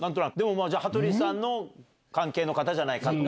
羽鳥さんの関係の方じゃないか？と。